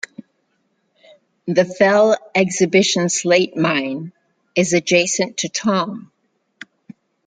The Fell Exhibition Slate Mine is adjacent to Thomm.